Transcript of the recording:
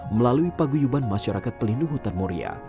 melalui paguyuban masyarakat pelindung hutan muria